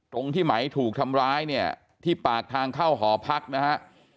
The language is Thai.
ตรงที่ไหมถูกทำร้ายเนี่ยที่ปากทางเข้าหอพักนะฮะ